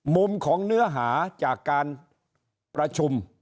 มุมของเนื้อหาจากการประชุม